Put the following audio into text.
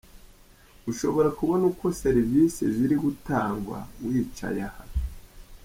Ushobora kubona uko serivisi ziri gutangwa wicaye aha.